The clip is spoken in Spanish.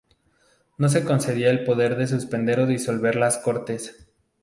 No se le concedía el poder de suspender o disolver las Cortes.